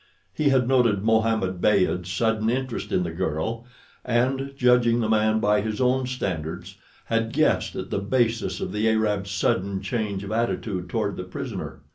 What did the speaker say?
He had noted Mohammed Beyd's sudden interest in the girl, and judging the man by his own standards, had guessed at the basis of the Arab's sudden change of attitude toward the prisoner.